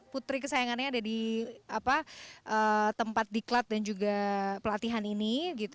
putri kesayangannya ada di tempat diklat dan juga pelatihan ini